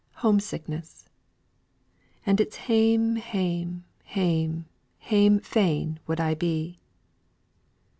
HOME SICKNESS. "And it's hame, hame, hame, Hame fain wad I be."